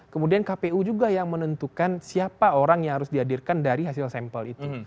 kemudian kpu juga yang menentukan siapa orang yang harus dihadirkan dari hasil sampel itu